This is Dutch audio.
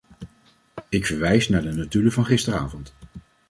Ik verwijs naar de notulen van gisteravond.